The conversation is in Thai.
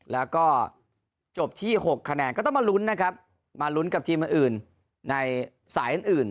แล้วก็จบที่๖คะแนนก็ต้องมาลุ้นนะครับมาลุ้นกับทีมอื่นในสายอื่น